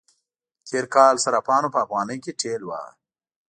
تېر کال صرافانو په افغانی کې ټېل واهه.